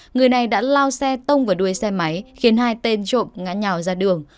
người này đã lao xe tông vào đuôi xe máy khiến hai tên trộm ngã nhào ra đường